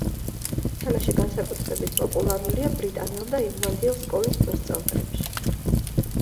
თამაში განსაკუთრებით პოპულარულია ბრიტანელ და ირლანდიელ სკოლის მოსწავლეებში.